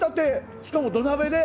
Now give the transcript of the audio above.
しかも土鍋で。